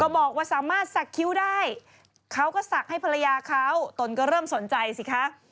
บอกว่าสามารถสักคิ้วได้เขาก็ศักดิ์ให้ภรรยาเขาตนก็เริ่มสนใจสิคะ